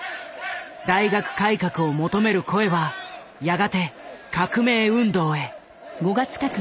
大学改革を求める声はやがて革命運動へ。